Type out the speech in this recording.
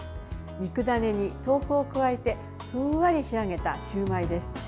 肉ダネに豆腐を加えてふんわり仕上げたシューマイです。